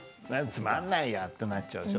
つまんないやってなっちゃうでしょ。